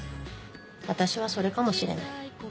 私はそれかもしれない。